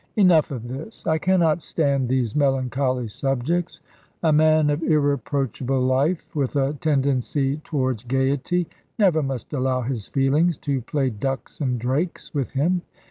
Enough of this, I cannot stand these melancholy subjects. A man of irreproachable life, with a tendency towards gaiety, never must allow his feelings to play ducks and drakes with him.